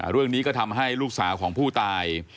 เรื่องนี้ก็ทำให้ลูกสาวของผู้ตาย